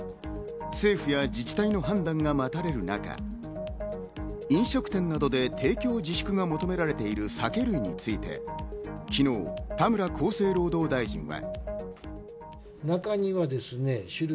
政府や自治体の判断が待たれる中、飲食店などで提供自粛が求められている酒類について、昨日、田村厚生労働大臣は。